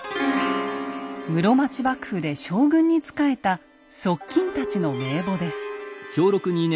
室町幕府で将軍に仕えた側近たちの名簿です。